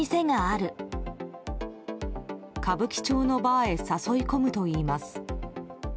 歌舞伎町のバーへ誘い込むといいます。